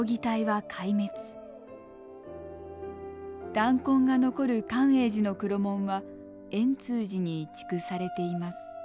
弾痕が残る寛永寺の黒門は円通寺に移築されています。